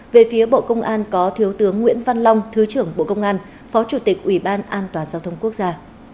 về phía bộ công an có thiếu tướng nguyễn văn long thứ trưởng bộ công an phó chủ tịch ủy ban an toàn giao thông quốc gia